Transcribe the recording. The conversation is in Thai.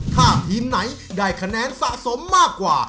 ถ้าทีมไหนได้คะแนนสะสมมากกว่า